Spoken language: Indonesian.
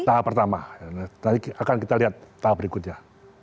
tahap pertama tadi akan kita lihat tahap berikutnya